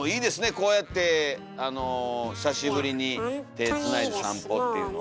こうやって久しぶりに手つないで散歩っていうの。